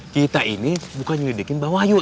kita ini bukan nyelidikin mbak wayu